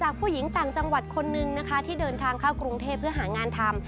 ผู้หญิงต่างจังหวัดคนนึงนะคะที่เดินทางเข้ากรุงเทพเพื่อหางานทำ